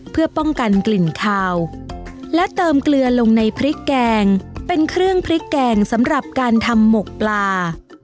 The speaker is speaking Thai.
เพื่อป้องกันกลิ่นคาวและเติมเกลือลงในพริกแกงเป็นเครื่องพริกแกงสำหรับการทำหมกปลา